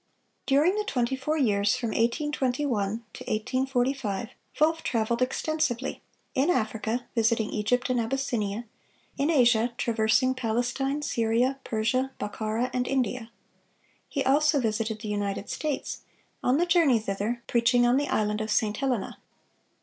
(599) During the twenty four years from 1821 to 1845, Wolff traveled extensively: in Africa, visiting Egypt and Abyssinia; in Asia, traversing Palestine, Syria, Persia, Bokhara, and India. He also visited the United States, on the journey thither preaching on the island of St. Helena.